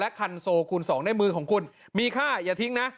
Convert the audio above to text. คันโซคูณ๒ในมือของคุณมีค่าอย่าทิ้งนะ